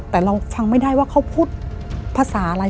แต่เราฟังไม่ได้ว่าเขาพูดภาษาอะไร